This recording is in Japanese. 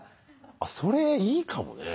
あそれいいかもね。